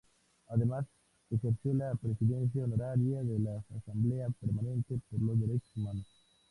Además, ejerció la presidencia honoraria de la Asamblea Permanente por los Derechos Humanos.